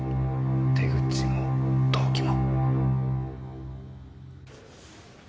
手口も動機も。